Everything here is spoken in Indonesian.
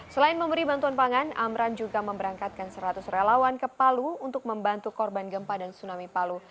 selain memberi bantuan pangan amran juga memberangkatkan seratus relawan ke palu untuk membantu korban gempa dan tsunami palu